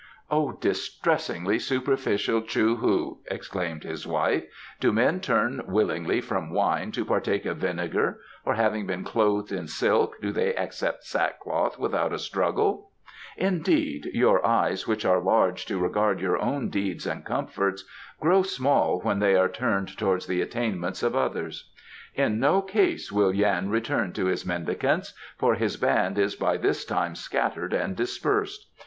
"O distressingly superficial Chou hu!" exclaimed his wife, "do men turn willingly from wine to partake of vinegar, or having been clothed in silk do they accept sackcloth without a struggle? Indeed, your eyes, which are large to regard your own deeds and comforts, grow small when they are turned towards the attainments of another. In no case will Yan return to his mendicants, for his band is by this time scattered and dispersed.